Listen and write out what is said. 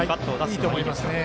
いいと思いますね。